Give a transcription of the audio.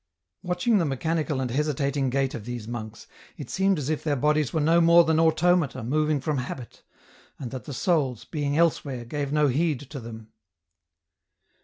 Watching the mechanical and hesitating gait of these monks, it seemed as if their bodies were no more than automata moving from habit, and that the souls, being elsewhere, gave no heed to them.